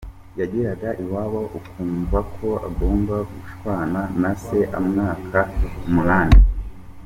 Yageraga iwabo ukumva ko agomba gushwana na se amwaka umunani.